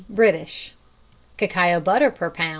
British Cacao butter per lb.